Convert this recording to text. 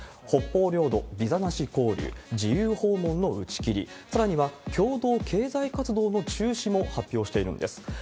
北方領土ビザなし交流、自由訪問の打ち切り、さらには共同経済活動の中止も発表しているんです。